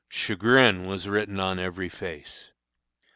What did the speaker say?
Chagrin was written upon every face.